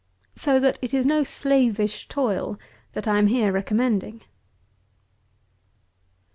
So that it is no slavish toil that I am here recommending.